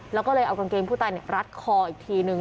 แล้วก็เลยเอากางเกงผู้ตายรัดคออีกทีนึง